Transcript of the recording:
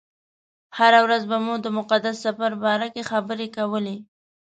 هره ورځ به مو د مقدس سفر باره کې خبرې کولې.